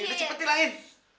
udah cepat hilangin